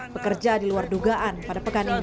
bekerja diluar dugaan pada pekan ini